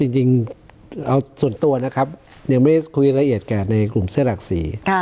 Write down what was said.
จริงเอาส่วนตัวนะครับยังไม่ได้คุยรายละเอียดแก่ในกลุ่มเสื้อหลักสี